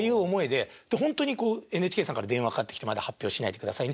ほんとにこうＮＨＫさんから電話かかってきて「まだ発表しないでくださいね」